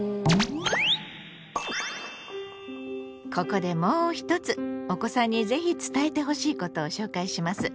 ここでもう一つお子さんに是非伝えてほしいことを紹介します。